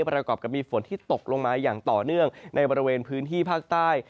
ประกอบกับมีฝนที่ตกลงมาอย่างต่อเนื่องในบริเวณพื้นที่ภาคใต้